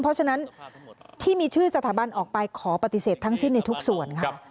เพราะฉะนั้นที่มีชื่อสถาบันออกไปขอปฏิเสธทั้งสิ้นในทุกส่วนค่ะ